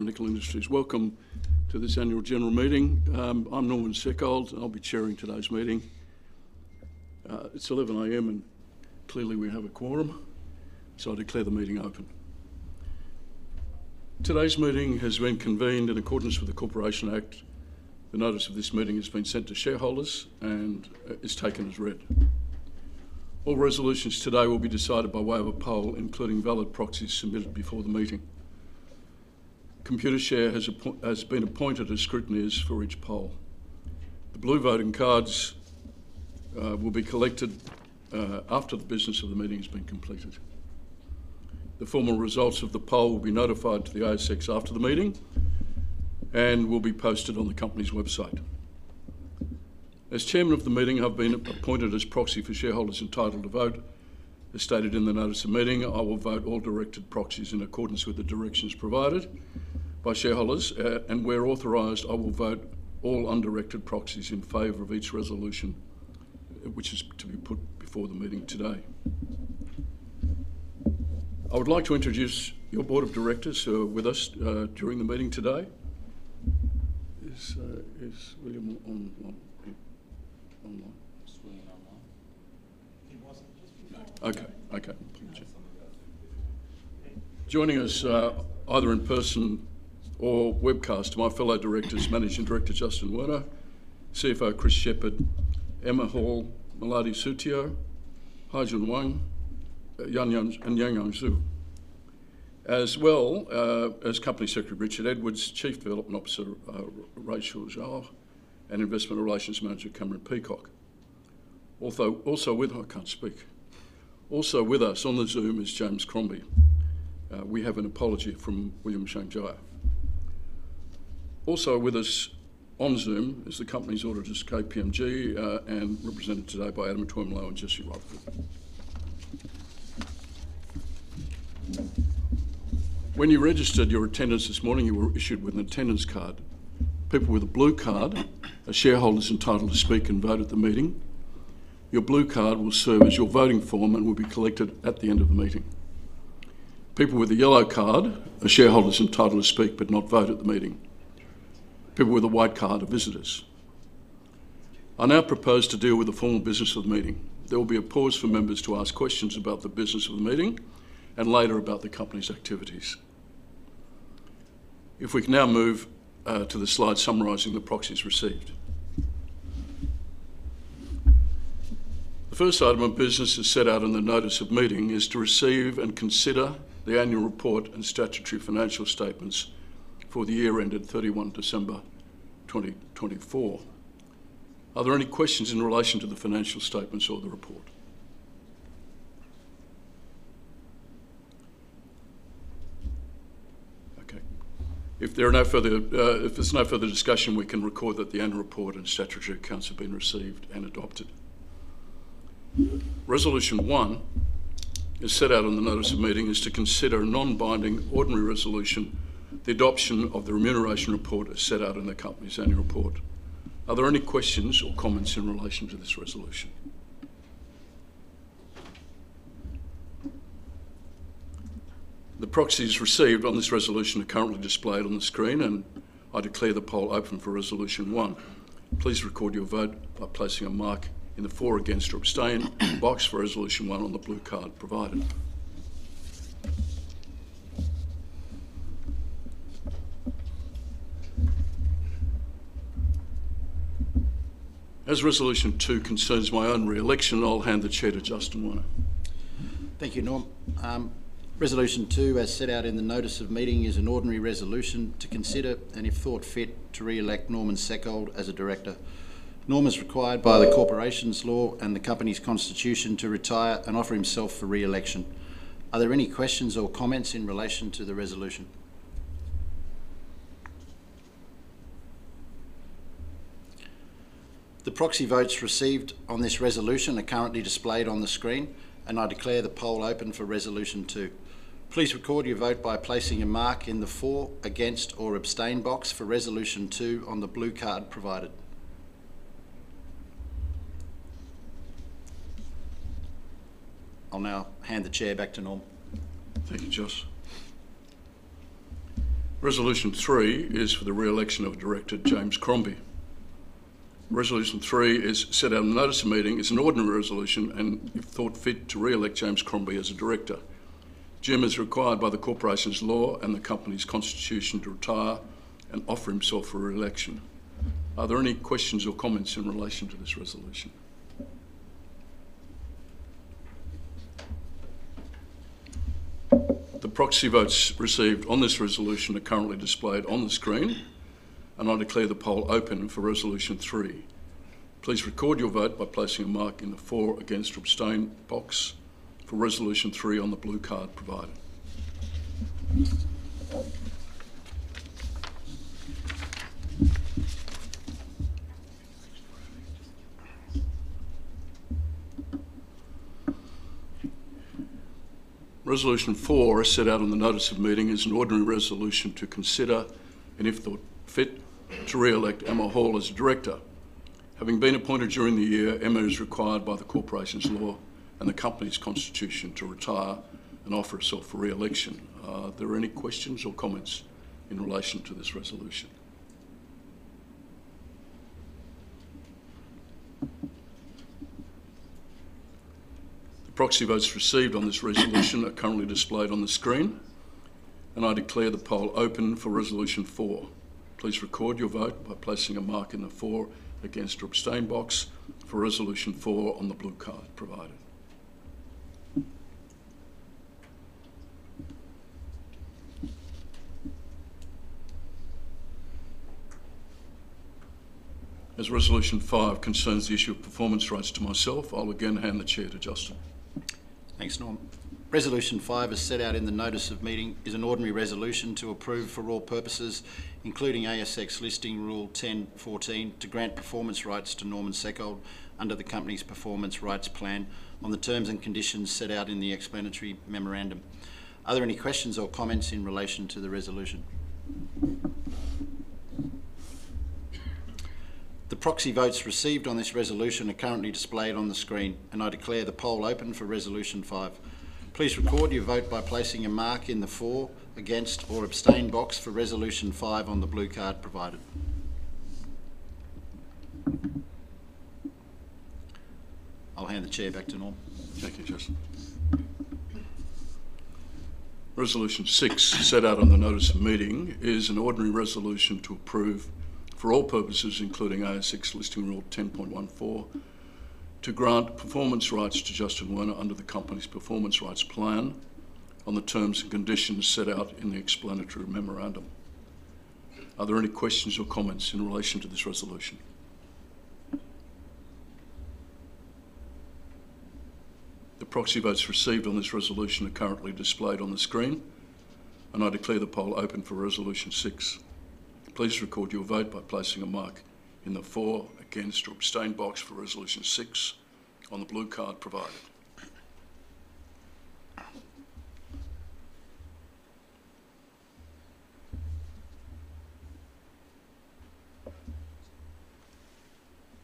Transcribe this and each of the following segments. Nickel Industries, welcome to this annual general meeting. I'm Norman Seckold, and I'll be chairing today's meeting. It's 11:00 A.M., and clearly we have a quorum, so I declare the meeting open. Today's meeting has been convened in accordance with the Corporations Act. The notice of this meeting has been sent to shareholders and is taken as read. All resolutions today will be decided by way of a poll, including valid proxies submitted before the meeting. Computershare has been appointed as scrutineers for each poll. The blue voting cards will be collected after the business of the meeting has been completed. The formal results of the poll will be notified to the ASX after the meeting and will be posted on the company's website. As Chairman of the meeting, I've been appointed as proxy for shareholders entitled to vote. As stated in the notice of meeting, I will vote all directed proxies in accordance with the directions provided by shareholders, and where authorized, I will vote all undirected proxies in favor of each resolution, which is to be put before the meeting today. I would like to introduce your Board of Directors who are with us during the meeting today. Is William online? Is William online? He wasn't just before. Okay, okay. Joining us either in person or webcast are my fellow directors, Managing Director Justin Werner, CFO Chris Shepherd, Emma Hall, Muliady Sutio, Haijun Wang, and Yuanyuan Xu, as well as Company Secretary Richard Edwards, Chief Development Officer Rachel Zhao, and Investor Relations Manager Cameron Peacock. Also with—I can't speak—also with us on the Zoom is James Crombie. We have an apology from Xiang Bing. Also with us on Zoom is the company's auditors, KPMG, and represented today by Adam Twemlow and Jesse Robinson. When you registered your attendance this morning, you were issued with an attendance card. People with a blue card are shareholders entitled to speak and vote at the meeting. Your blue card will serve as your voting form and will be collected at the end of the meeting. People with a yellow card are shareholders entitled to speak but not vote at the meeting. People with a white card are visitors. I now propose to deal with the formal business of the meeting. There will be a pause for members to ask questions about the business of the meeting and later about the company's activities. If we can now move to the slide summarizing the proxies received. The first item of business as set out in the notice of meeting is to receive and consider the annual report and statutory financial statements for the year ended 31 December 2024. Are there any questions in relation to the financial statements or the report? Okay. If there are no further—if there's no further discussion, we can record that the annual report and statutory accounts have been received and adopted. Resolution one as set out in the notice of meeting is to consider a non-binding ordinary resolution, the adoption of the remuneration report as set out in the company's annual report. Are there any questions or comments in relation to this resolution? The proxies received on this resolution are currently displayed on the screen, and I declare the poll open for resolution one. Please record your vote by placing a mark in the for, against, or abstain box for resolution one on the blue card provided. As resolution two concerns my own re-election, I'll hand the chair to Justin Werner. Thank you, Norm. Resolution two, as set out in the notice of meeting, is an ordinary resolution to consider and, if thought fit, to re-elect Norman Seckold as a director. Norm is required by the Corporations Law and the company's constitution to retire and offer himself for re-election. Are there any questions or comments in relation to the resolution? The proxy votes received on this resolution are currently displayed on the screen, and I declare the poll open for resolution two. Please record your vote by placing a mark in the for, against, or abstain box for resolution two on the blue card provided. I'll now hand the chair back to Norm. Thank you, Justin. Resolution three is for the re-election of Director James Crombie. Resolution three is set out in the notice of meeting as an ordinary resolution, and if thought fit to re-elect James Crombie as a director, Jim is required by the Corporations Law and the company's constitution to retire and offer himself for re-election. Are there any questions or comments in relation to this resolution? The proxy votes received on this resolution are currently displayed on the screen, and I declare the poll open for resolution three. Please record your vote by placing a mark in the for, against, or abstain box for resolution three on the blue card provided. Resolution four is set out in the notice of meeting as an ordinary resolution to consider and, if thought fit, to re-elect Emma Hall as a director. Having been appointed during the year, Emma is required by the corporation's law and the company's constitution to retire and offer herself for re-election. Are there any questions or comments in relation to this resolution? The proxy votes received on this resolution are currently displayed on the screen, and I declare the poll open for resolution four. Please record your vote by placing a mark in the for, against, or abstain box for resolution four on the blue card provided. As resolution five concerns the issue of performance rights to myself, I'll again hand the chair to Justin. Thanks, Norm. Resolution five as set out in the notice of meeting is an ordinary resolution to approve for all purposes, including ASX Listing Rule 10.14, to grant performance rights to Norman Seckold under the company's performance rights plan on the terms and conditions set out in the explanatory memorandum. Are there any questions or comments in relation to the resolution? The proxy votes received on this resolution are currently displayed on the screen, and I declare the poll open for resolution five. Please record your vote by placing a mark in the for, against, or abstain box for resolution five on the blue card provided. I'll hand the chair back to Norm. Thank you, Justin. Resolution six set out in the notice of meeting is an ordinary resolution to approve for all purposes, including ASX Listing Rule 10.14, to grant performance rights to Justin Werner under the company's performance rights plan on the terms and conditions set out in the explanatory memorandum. Are there any questions or comments in relation to this resolution? The proxy votes received on this resolution are currently displayed on the screen, and I declare the poll open for resolution six. Please record your vote by placing a mark in the for, against, or abstain box for resolution six on the blue card provided.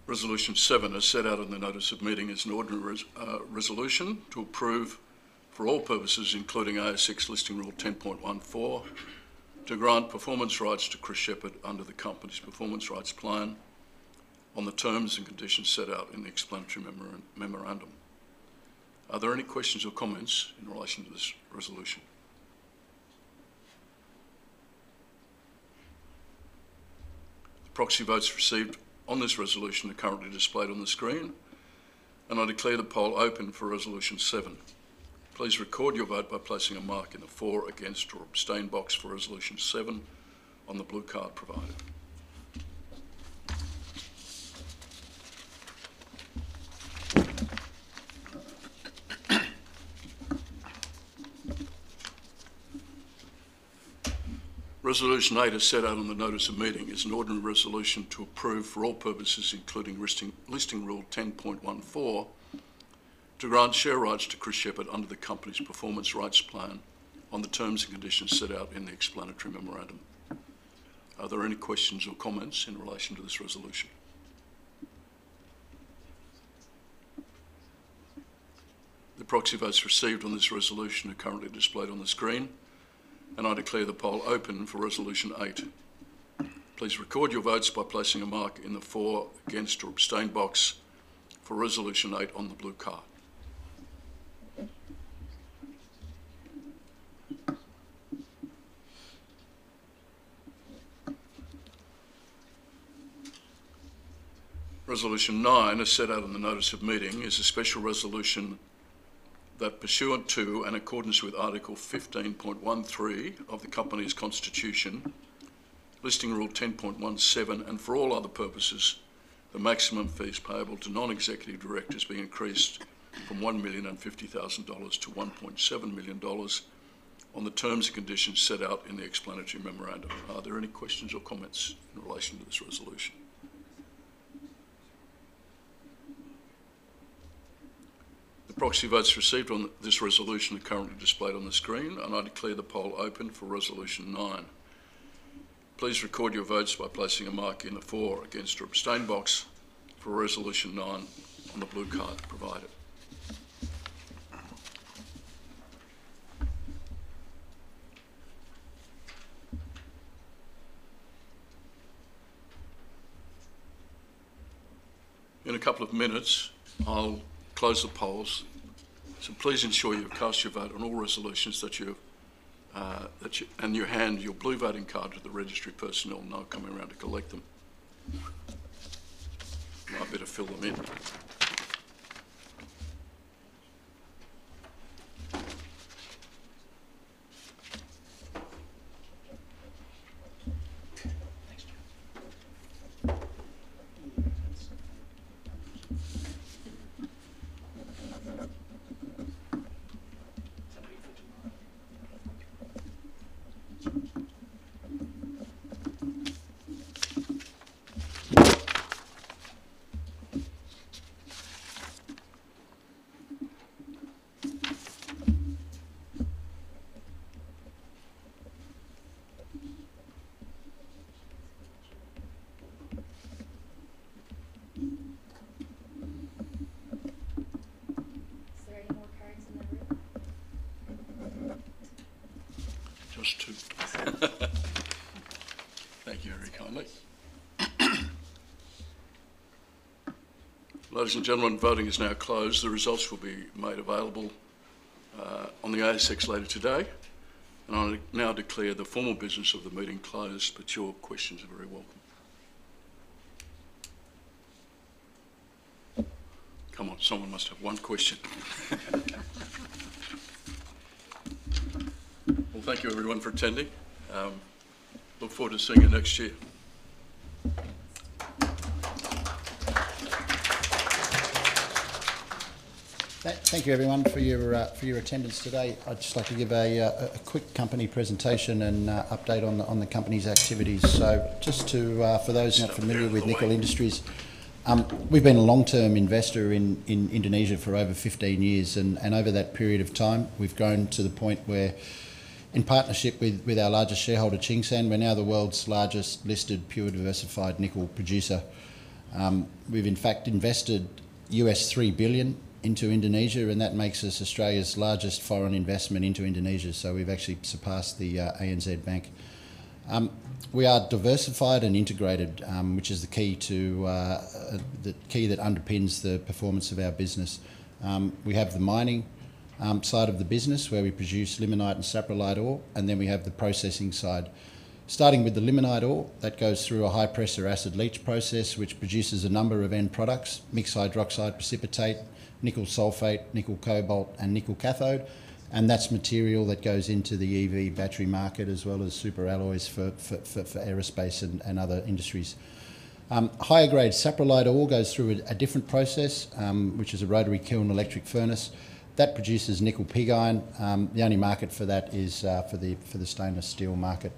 Resolution seven as set out in the notice of meeting is an ordinary resolution to approve for all purposes, including ASX Listing Rule 10.14, to grant performance rights to Chris Shepherd under the company's performance rights plan on the terms and conditions set out in the explanatory memorandum. Are there any questions or comments in relation to this resolution? The proxy votes received on this resolution are currently displayed on the screen, and I declare the poll open for resolution seven. Please record your vote by placing a mark in the for, against, or abstain box for resolution seven on the blue card provided. Resolution eight as set out in the notice of meeting is an ordinary resolution to approve for all purposes, including Listing Rule 10.14, to grant share rights to Chris Shepherd under the company's performance rights plan on the terms and conditions set out in the explanatory memorandum. Are there any questions or comments in relation to this resolution? The proxy votes received on this resolution are currently displayed on the screen, and I declare the poll open for resolution eight. Please record your votes by placing a mark in the for, against, or abstain box for resolution eight on the blue card. Resolution nine as set out in the notice of meeting is a special resolution that pursuant to and in accordance with Article 15.13 of the company's constitution, Listing Rule 10.17, and for all other purposes, the maximum fees payable to non-executive directors be increased from $1,050,000 to $1,700,000 on the terms and conditions set out in the explanatory memorandum. Are there any questions or comments in relation to this resolution? The proxy votes received on this resolution are currently displayed on the screen, and I declare the poll open for resolution nine. Please record your votes by placing a mark in the for, against, or abstain box for resolution nine on the blue card provided. In a couple of minutes, I'll close the polls, so please ensure you've cast your vote on all resolutions that you've and you hand your blue voting card to the registry personnel now coming around to collect them. I better fill them in. Are there any more cards in the room? Just two. Thank you, everyone. Ladies and gentlemen, voting is now closed. The results will be made available on the ASX later today, and I now declare the formal business of the meeting closed, but your questions are very welcome. Come on, someone must have one question. Thank you, everyone, for attending. Look forward to seeing you next year. Thank you, everyone, for your attendance today. I'd just like to give a quick company presentation and update on the company's activities. Just for those not familiar with Nickel Industries, we've been a long-term investor in Indonesia for over 15 years, and over that period of time, we've grown to the point where, in partnership with our largest shareholder, Tsingshan, we're now the world's largest listed pure diversified nickel producer. We've, in fact, invested $3 billion into Indonesia, and that makes us Australia's largest foreign investment into Indonesia, so we've actually surpassed the ANZ Bank. We are diversified and integrated, which is the key that underpins the performance of our business. We have the mining side of the business where we produce limonite and saprolite ore, and then we have the processing side. Starting with the limonite ore, that goes through a high-pressure acid leach process, which produces a number of end products: mixed hydroxide precipitate, nickel sulphate, nickel cobalt, and nickel cathode, and that's material that goes into the EV battery market as well as super alloys for aerospace and other industries. Higher-grade saprolite ore goes through a different process, which is a rotary kiln electric furnace that produces nickel pig iron. The only market for that is for the stainless steel market.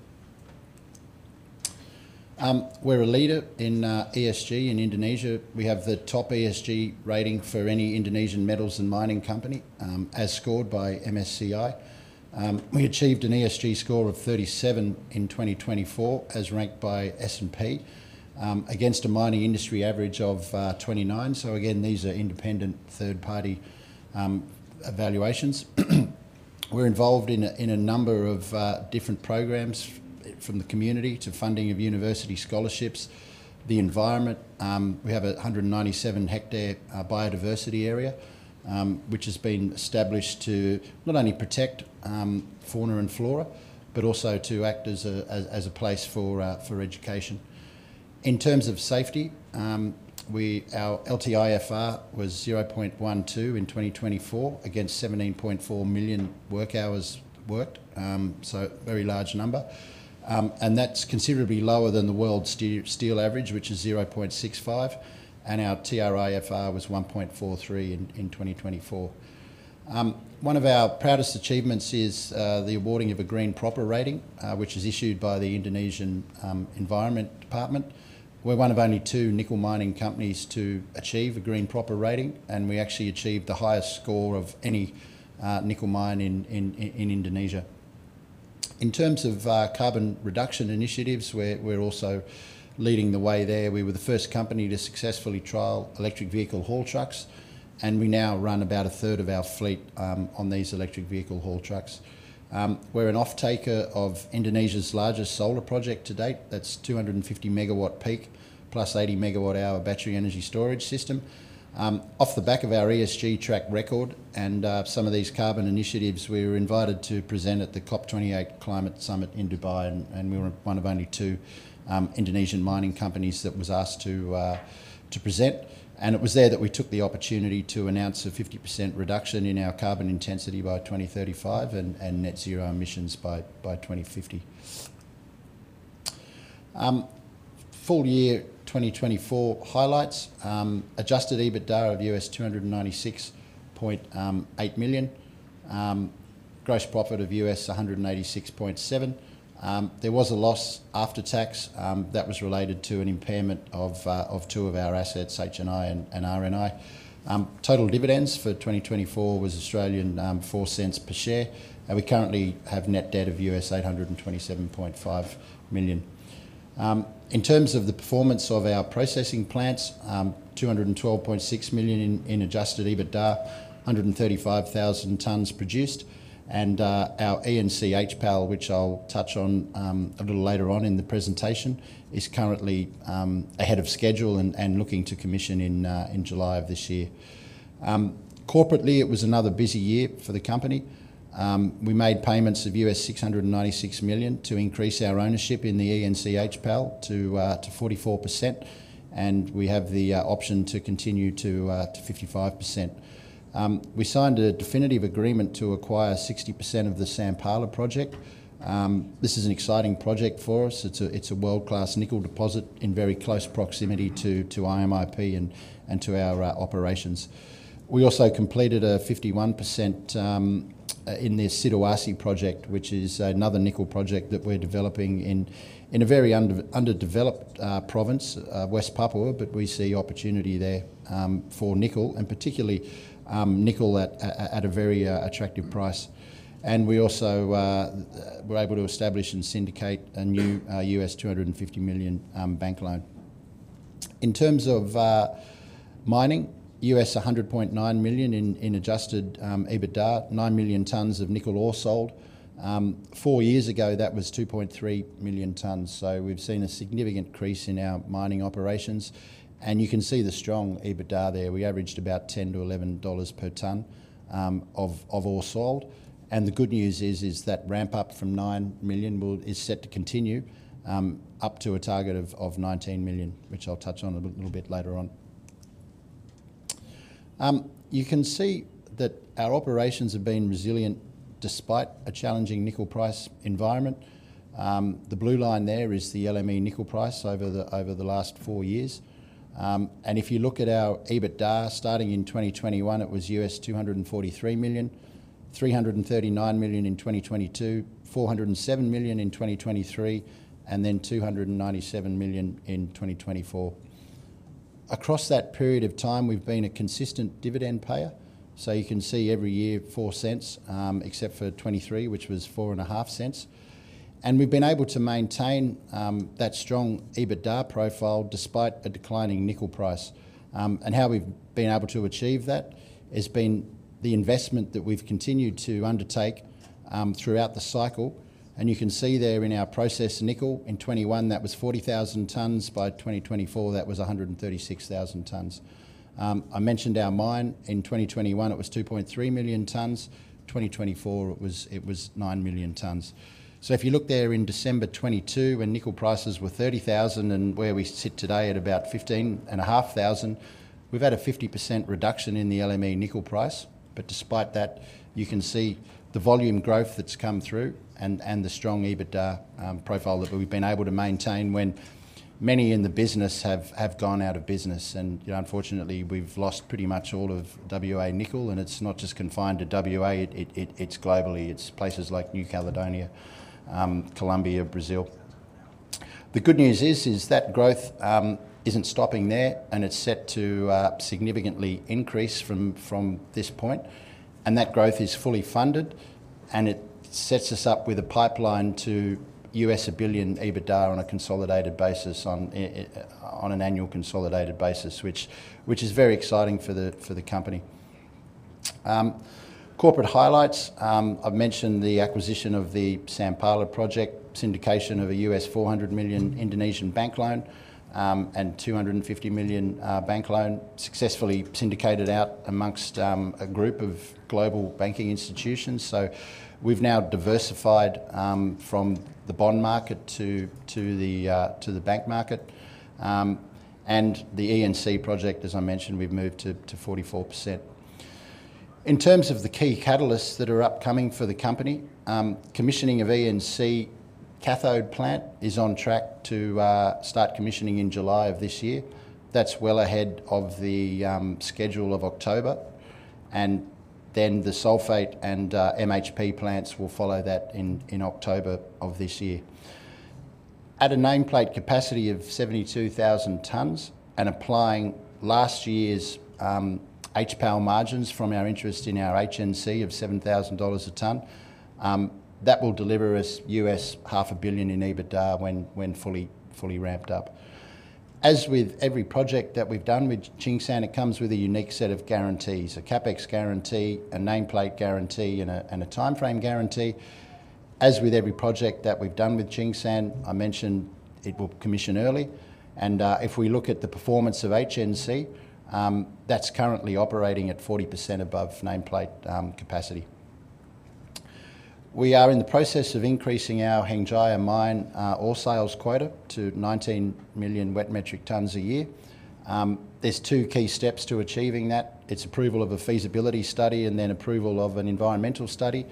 We're a leader in ESG in Indonesia. We have the top ESG rating for any Indonesian metals and mining company, as scored by MSCI. We achieved an ESG score of 37 in 2024, as ranked by S&P, against a mining industry average of 29. These are independent third-party evaluations. We're involved in a number of different programs, from the community to funding of university scholarships, the environment. We have a 197-hectare biodiversity area, which has been established to not only protect fauna and flora, but also to act as a place for education. In terms of safety, our LTIFR was 0.12 in 2024, against 17.4 million work hours worked, so a very large number, and that's considerably lower than the world steel average, which is 0.65, and our TRIFR was 1.43 in 2024. One of our proudest achievements is the awarding of a Green PROPER rating, which is issued by the Indonesian Environment Department. We're one of only two nickel mining companies to achieve a Green PROPER rating, and we actually achieved the highest score of any nickel mine in Indonesia. In terms of carbon reduction initiatives, we're also leading the way there. We were the first company to successfully trial electric vehicle haul trucks, and we now run about a third of our fleet on these electric vehicle haul trucks. We're an off-taker of Indonesia's largest solar project to date. That's 250 megawatt peak plus 80 megawatt hour battery energy storage system. Off the back of our ESG track record and some of these carbon initiatives, we were invited to present at the COP28 Climate Summit in Dubai, and we were one of only two Indonesian mining companies that was asked to present. It was there that we took the opportunity to announce a 50% reduction in our carbon intensity by 2035 and net zero emissions by 2050. Full year 2024 highlights: adjusted EBITDA of $296.8 million, gross profit of $186.7 million. There was a loss after-tax that was related to an impairment of two of our assets, HNI and RNI. Total dividends for 2024 was 0.04 per share, and we currently have net debt of $827.5 million. In terms of the performance of our processing plants, $212.6 million in adjusted EBITDA, 135,000 tons produced, and our ENC HPAL, which I'll touch on a little later on in the presentation, is currently ahead of schedule and looking to commission in July of this year. Corporately, it was another busy year for the company. We made payments of $696 million to increase our ownership in the ENC HPAL to 44%, and we have the option to continue to 55%. We signed a definitive agreement to acquire 60% of the Sampala project. This is an exciting project for us. It's a world-class nickel deposit in very close proximity to IMIP and to our operations. We also completed a 51% in the Siduarsi project, which is another nickel project that we're developing in a very underdeveloped province, West Papua, but we see opportunity there for nickel, and particularly nickel at a very attractive price. We also were able to establish and syndicate a new $250 million bank loan. In terms of mining, $100.9 million in adjusted EBITDA, 9 million tons of nickel ore sold. Four years ago, that was 2.3 million tons. We have seen a significant increase in our mining operations, and you can see the strong EBITDA there. We averaged about $10-$11 per ton of ore sold. The good news is that ramp-up from 9 million is set to continue up to a target of 19 million, which I'll touch on a little bit later on. You can see that our operations have been resilient despite a challenging nickel price environment. The blue line there is the LME nickel price over the last four years. If you look at our EBITDA, starting in 2021, it was $243 million, $339 million in 2022, $407 million in 2023, and then $297 million in 2024. Across that period of time, we've been a consistent dividend payer, so you can see every year $0.04, except for 2023, which was $0.045. We've been able to maintain that strong EBITDA profile despite a declining nickel price. How we've been able to achieve that has been the investment that we've continued to undertake throughout the cycle. You can see there in our processed nickel in 2021, that was 40,000 tons. By 2024, that was 136,000 tons. I mentioned our mine in 2021. It was 2.3 million tons. In 2024, it was 9 million tons. If you look there in December 2022, when nickel prices were $30,000 and where we sit today at about $15,500, we've had a 50% reduction in the LME nickel price. Despite that, you can see the volume growth that's come through and the strong EBITDA profile that we've been able to maintain when many in the business have gone out of business. Unfortunately, we've lost pretty much all of WA nickel, and it's not just confined to WA. It's globally. It's places like New Caledonia, Colombia, Brazil. The good news is that growth isn't stopping there, and it's set to significantly increase from this point. That growth is fully funded, and it sets us up with a pipeline to $1 billion EBITDA on a consolidated basis, on an annual consolidated basis, which is very exciting for the company. Corporate highlights: I've mentioned the acquisition of the Sampala project, syndication of a $400 million Indonesian bank loan, and $250 million bank loan successfully syndicated out amongst a group of global banking institutions. We have now diversified from the bond market to the bank market. The ENC project, as I mentioned, we've moved to 44%. In terms of the key catalysts that are upcoming for the company, commissioning of ENC cathode plant is on track to start commissioning in July of this year. That's well ahead of the schedule of October. The sulphate and MHP plants will follow that in October of this year. At a nameplate capacity of 72,000 tons and applying last year's HPAL margins from our interest in our HNC of $7,000 a ton, that will deliver us $500,000,000 in EBITDA when fully ramped up. As with every project that we've done with Tsingshan, it comes with a unique set of guarantees: a CapEx guarantee, a nameplate guarantee, and a timeframe guarantee. As with every project that we've done with Tsingshan, I mentioned it will commission early. If we look at the performance of HNC, that's currently operating at 40% above nameplate capacity. We are in the process of increasing our Hengjaya Mine ore sales quota to 19 million wet metric tons a year. are two key steps to achieving that: it's approval of a feasibility study and then approval of an environmental study.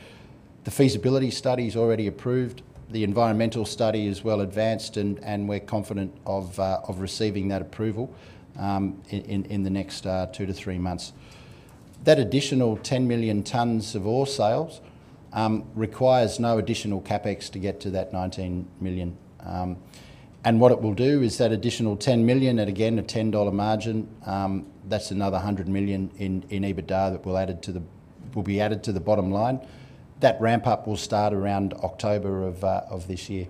The feasibility study is already approved. The environmental study is well advanced, and we're confident of receiving that approval in the next two to three months. That additional 10 million tons of ore sales requires no additional CapEx to get to that 19 million. What it will do is that additional 10 million at, again, a $10 margin, that's another $100 million in EBITDA that will be added to the bottom line. That ramp-up will start around October of this year.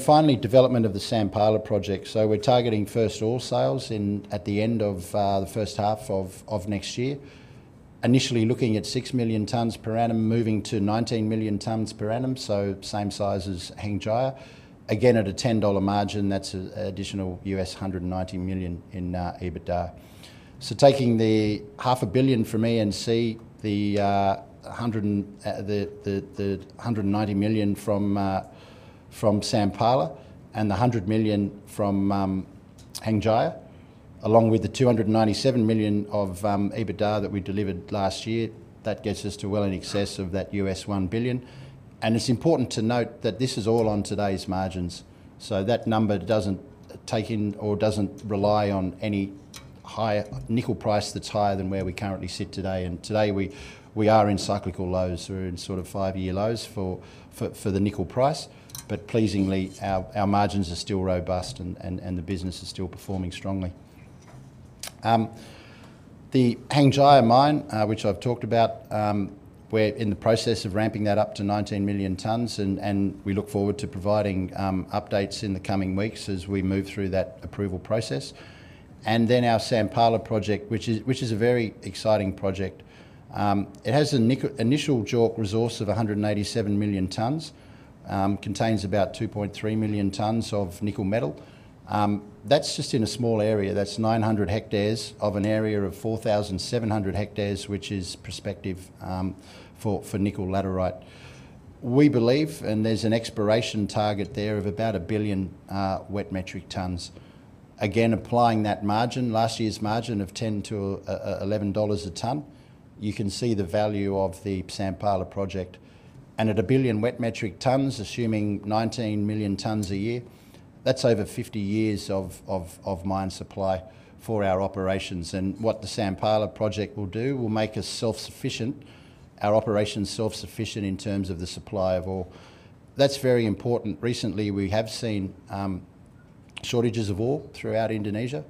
Finally, development of the Sampala project. We're targeting first ore sales at the end of the first half of next year, initially looking at 6 million tons per annum, moving to 19 million tons per annum, so same size as Hengjaya. Again, at a $10 margin, that's an additional $190 million in EBITDA. Taking the $500 million from ENC, the $190 million from Sampala, and the $100 million from Hengjaya, along with the $297 million of EBITDA that we delivered last year, that gets us to well in excess of that $1 billion. It is important to note that this is all on today's margins. That number does not take in or does not rely on any higher nickel price than where we currently sit today. Today, we are in cyclical lows. We are in sort of five-year lows for the nickel price. Pleasingly, our margins are still robust, and the business is still performing strongly. The Hengjaya Mine, which I've talked about, we're in the process of ramping that up to 19 million tons, and we look forward to providing updates in the coming weeks as we move through that approval process. Our Sampala project, which is a very exciting project, has an initial JORC resource of 187 million tons, contains about 2.3 million tons of nickel metal. That's just in a small area. That's 900 hectares of an area of 4,700 hectares, which is prospective for nickel laterite. We believe, and there's an exploration target there of about a billion wet metric tons. Again, applying that margin, last year's margin of $10-$11 a ton, you can see the value of the Sampala project. At a billion wet metric tons, assuming 19 million tons a year, that's over 50 years of mine supply for our operations. What the Sampala project will do will make our operations self-sufficient in terms of the supply of ore. That is very important. Recently, we have seen shortages of ore throughout Indonesia,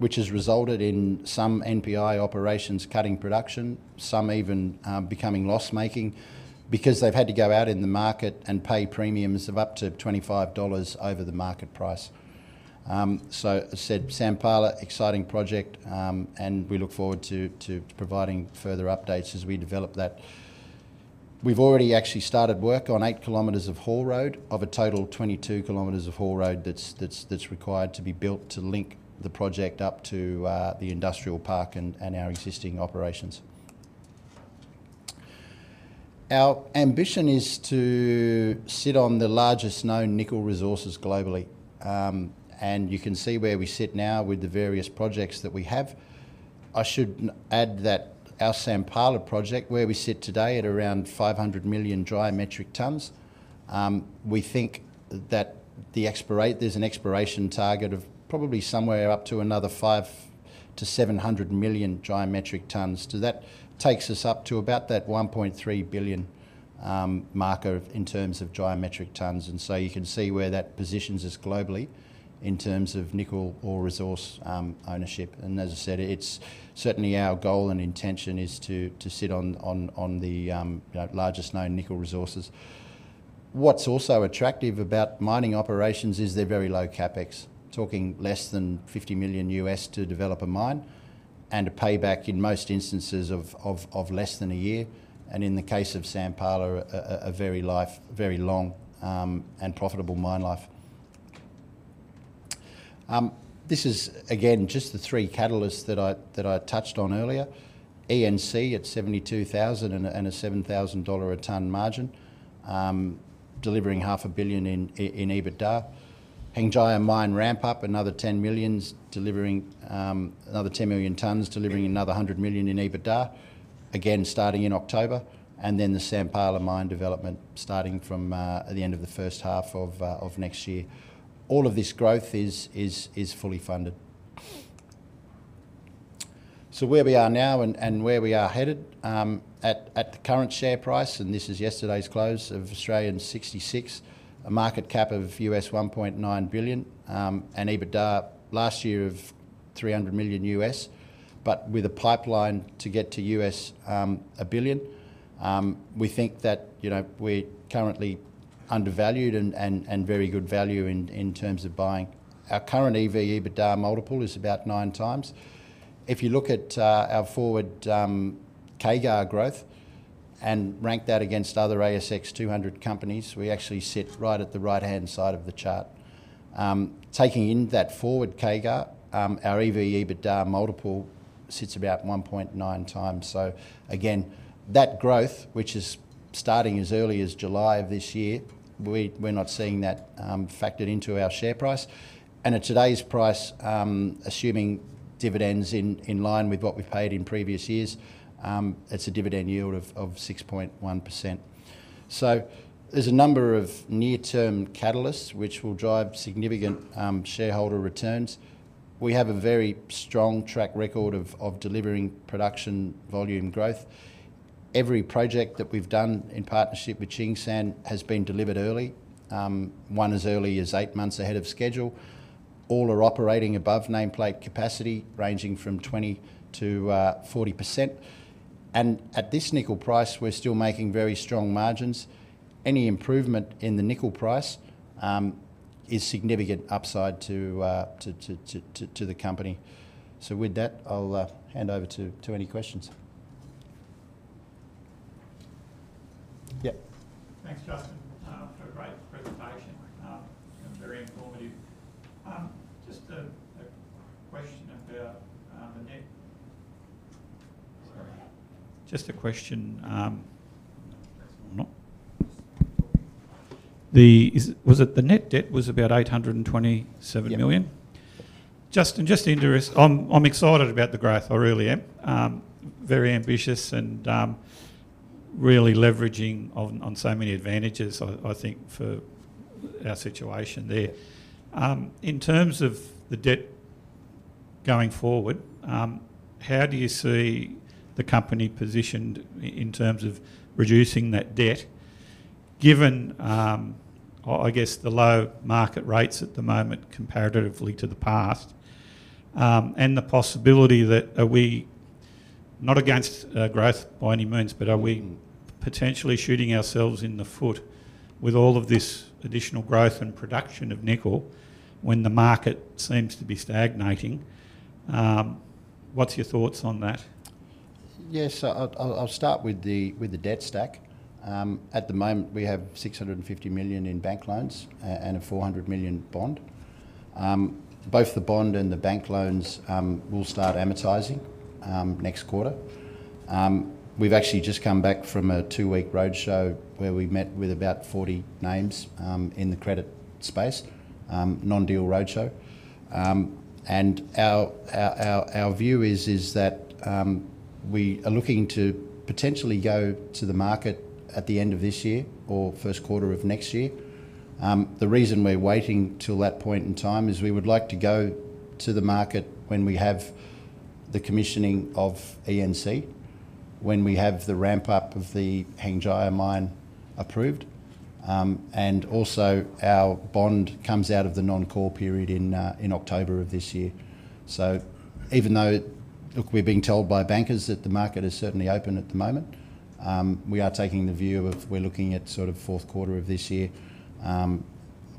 which has resulted in some NPI operations cutting production, some even becoming loss-making because they have had to go out in the market and pay premiums of up to $25 over the market price. I said Sampala, exciting project, and we look forward to providing further updates as we develop that. We have already actually started work on 8 km of haul road of a total 22 km of haul road that is required to be built to link the project up to the industrial park and our existing operations. Our ambition is to sit on the largest known nickel resources globally. You can see where we sit now with the various projects that we have. I should add that our Sampala project, where we sit today at around 500 million dry metric tons, we think that there's an exploration target of probably somewhere up to another 500-700 million dry metric tons. That takes us up to about that 1.3 billion marker in terms of dry metric tons. You can see where that positions us globally in terms of nickel ore resource ownership. As I said, it is certainly our goal and intention to sit on the largest known nickel resources. What's also attractive about mining operations is they're very low CapEx, talking less than $50 million to develop a mine and a payback in most instances of less than a year. In the case of Sampala, a very long and profitable mine life. This is, again, just the three catalysts that I touched on earlier: ENC at 72,000 and a $7,000 a ton margin, delivering $500,000,000 in EBITDA; Hengjaya Mine ramp-up, another 10 million tons delivering another $100,000,000 in EBITDA, again starting in October; and then the Sampala mine development starting from the end of the first half of next year. All of this growth is fully funded. Where we are now and where we are headed at the current share price, and this is yesterday's close of 0.66, a market cap of $1.9 billion and EBITDA last year of $300,000,000, but with a pipeline to get to $1 billion, we think that we're currently undervalued and very good value in terms of buying. Our current EV/EBITDA multiple is about nine times. If you look at our forward CAGR growth and rank that against other ASX 200 companies, we actually sit right at the right-hand side of the chart. Taking in that forward CAGR, our EV/EBITDA multiple sits about 1.9 times. That growth, which is starting as early as July of this year, we're not seeing that factored into our share price. At today's price, assuming dividends in line with what we've paid in previous years, it's a dividend yield of 6.1%. There are a number of near-term catalysts which will drive significant shareholder returns. We have a very strong track record of delivering production volume growth. Every project that we've done in partnership with Tsingshan has been delivered early, one as early as eight months ahead of schedule. All are operating above nameplate capacity, ranging from 20-40%. At this nickel price, we're still making very strong margins. Any improvement in the nickel price is significant upside to the company. With that, I'll hand over to any questions. Yeah. Thanks, Justin, for a great presentation and very informative. Just a question about the net, sorry. Just a question. Was it the net debt was about $827 million? Yeah. Justin, just to interest, I'm excited about the growth. I really am. Very ambitious and really leveraging on so many advantages, I think, for our situation there. In terms of the debt going forward, how do you see the company positioned in terms of reducing that debt, given, I guess, the low market rates at the moment comparatively to the past, and the possibility that are we not against growth by any means, but are we potentially shooting ourselves in the foot with all of this additional growth and production of nickel when the market seems to be stagnating? What's your thoughts on that? Yes. I'll start with the debt stack. At the moment, we have $650 million in bank loans and a $400 million bond. Both the bond and the bank loans will start amortizing next quarter. We've actually just come back from a two-week roadshow where we met with about 40 names in the credit space, non-deal roadshow. Our view is that we are looking to potentially go to the market at the end of this year or first quarter of next year. The reason we are waiting till that point in time is we would like to go to the market when we have the commissioning of ENC, when we have the ramp-up of the Hengjaya Mine approved, and also our bond comes out of the non-core period in October of this year. Even though, look, we are being told by bankers that the market is certainly open at the moment, we are taking the view of looking at sort of fourth quarter of this year,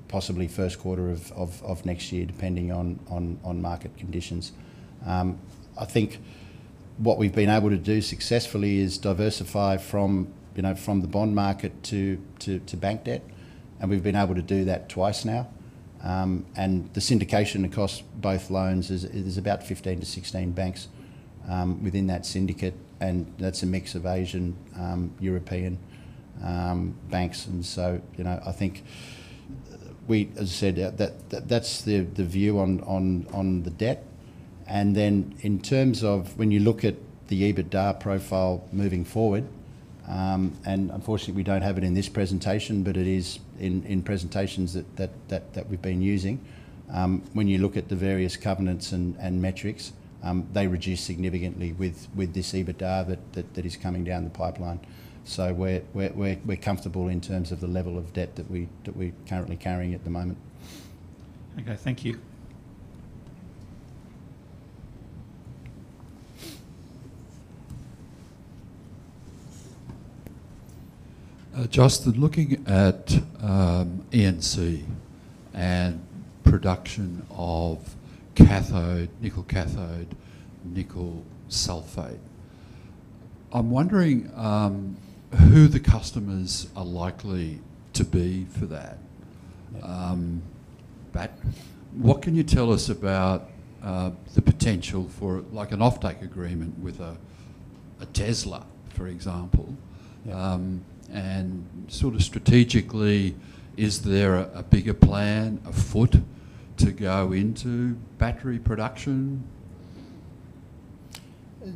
possibly first quarter of next year, depending on market conditions. I think what we have been able to do successfully is diversify from the bond market to bank debt. We have been able to do that twice now. The syndication across both loans is about 15-16 banks within that syndicate. That is a mix of Asian, European banks. I think, as I said, that is the view on the debt. In terms of when you look at the EBITDA profile moving forward, unfortunately, we do not have it in this presentation, but it is in presentations that we have been using. When you look at the various covenants and metrics, they reduce significantly with this EBITDA that is coming down the pipeline. We are comfortable in terms of the level of debt that we are currently carrying at the moment. Okay. Thank you. Justin, looking at ENC and production of nickel cathode, nickel sulfate, I am wondering who the customers are likely to be for that. What can you tell us about the potential for an offtake agreement with a Tesla, for example? Sort of strategically, is there a bigger plan afoot to go into battery production?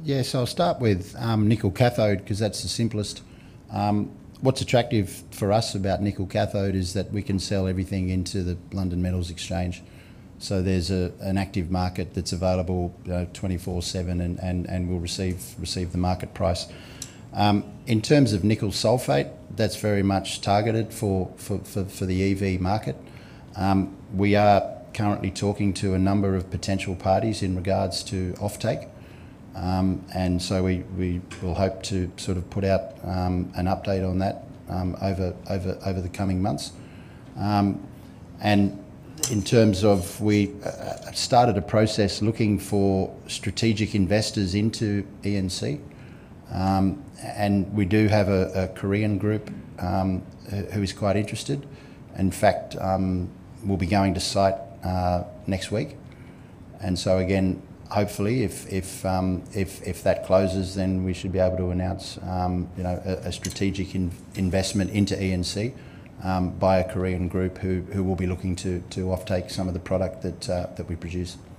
Yes. I'll start with nickel cathode because that's the simplest. What's attractive for us about nickel cathode is that we can sell everything into the London Metal Exchange. There is an active market that's available 24/7 and will receive the market price. In terms of nickel sulfate, that's very much targeted for the EV market. We are currently talking to a number of potential parties in regards to offtake. We hope to put out an update on that over the coming months. In terms of we started a process looking for strategic investors into ENC. We do have a Korean group who is quite interested. In fact, we'll be going to site next week. Again, hopefully, if that closes, then we should be able to announce a strategic investment into ENC by a Korean group who will be looking to offtake some of the product that we produce. Thanks.